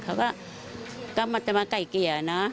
เขาก็จะมาไก่เกลี่ยนะ